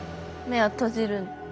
目を閉じる。